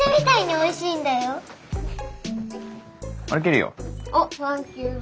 おっサンキュー。